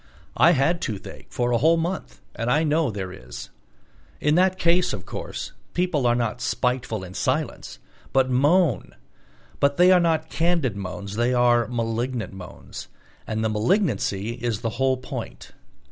I had toothache for a whole month and I know there is. In that case, of course, people are not spiteful in silence, but moan; but they are not candid moans, they are malignant moans, and the malignancy is the whole point.